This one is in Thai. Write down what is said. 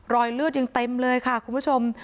รอยเลือดยังเต็มเลยค่ะคุณผู้ชม